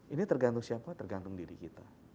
ini tergantung siapa tergantung diri kita